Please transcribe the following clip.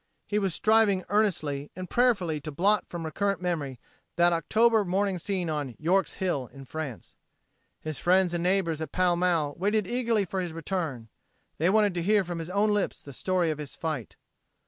He was striving earnestly and prayerfully to blot from recurrent memory that October morning scene on "York's Hill" in France. His friends and neighbors at Pall Mall waited eagerly for his return. They wanted to hear from his own lips the story of his fight.